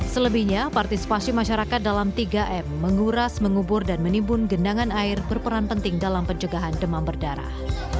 selebihnya partisipasi masyarakat dalam tiga m menguras mengubur dan menimbun gendangan air berperan penting dalam pencegahan demam berdarah